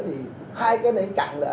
hai cái này cặn lại